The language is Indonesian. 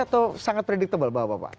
atau sangat predictable